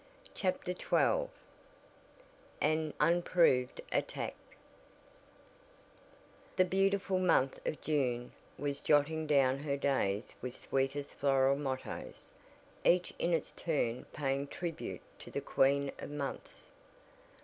CHAPTER XII AN UNPROVOKED ATTACK The beautiful month of June was jotting down her days with sweetest floral mottoes each in its turn paying tribute to the Queen of Months.